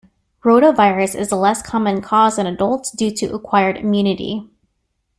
Rotavirus is a less common cause in adults due to acquired immunity.